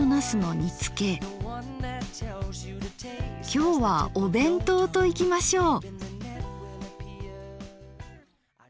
きょうはお弁当といきましょう。